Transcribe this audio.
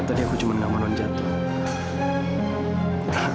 tadi aku cuma gak mau non jatuh